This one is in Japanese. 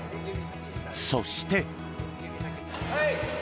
そして。